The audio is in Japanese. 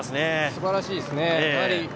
すばらしいですね。